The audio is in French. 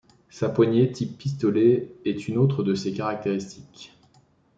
Sa poignée type pistolet est une autre de ses caractéristiques.